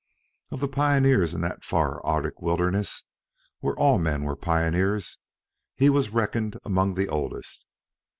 Of the pioneers in that far Arctic wilderness, where all men were pioneers, he was reckoned among the oldest.